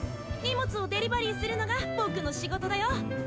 荷物をデリバリーするのがぼくの仕事だよ。